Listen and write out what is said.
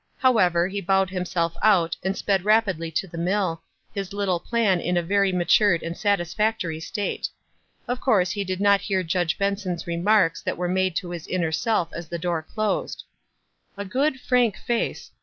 However, he bowed himself out, and sped on rapidly to the mill, his little plan in a very ma tured and satisfactory state. Of course he did not hear Judge Benson's remarks that were made to his inner self as the door closed. "A good, frank face.